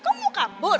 kamu mau kabur